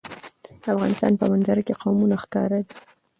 د افغانستان په منظره کې قومونه ښکاره ده.